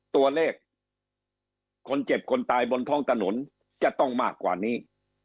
ตัวเลขคนเจ็บคนตายบนท้องถนนจะต้องมากกว่านี้